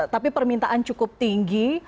tapi permintaan cukup tinggi